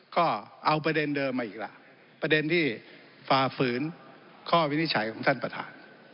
ก็เอาประเด็นเดิมมาอีกล่ะประเด็นที่ฝ่าฝืนข้อวินิจฉัยของท่านประธาน